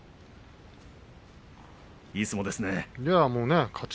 いい相撲ですね。